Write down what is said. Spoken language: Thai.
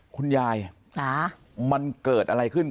คุณยายมันเกิดอะไรขึ้น